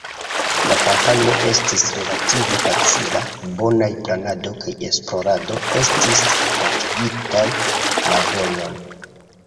La kampanjo estis relative facila; bonaj planado kaj esplorado estis glatigintaj la vojon.